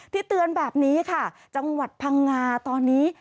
เตือนแบบนี้ค่ะจังหวัดพังงาตอนนี้